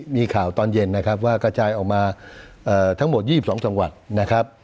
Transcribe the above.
มีข่าวตอนเย็นนะครับว่ากระจายออกมาทั้งหมด๒๒จังหวัดนะครับ